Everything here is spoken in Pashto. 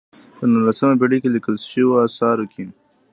په نولسمه پېړۍ کې لیکل شویو آثارو کې.